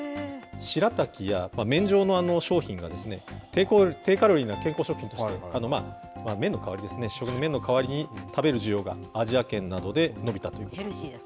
しらたきや麺状の商品が、低カロリーな健康食品として、麺の代わりですね、麺の代わりに食べる需要が、アジア圏などで伸びたと。